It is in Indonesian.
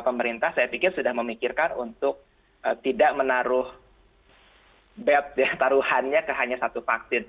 pemerintah saya pikir sudah memikirkan untuk tidak menaruh bed ya taruhannya ke hanya satu vaksin